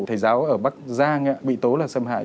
thầy giáo ở bắc giang bị tố là xâm hại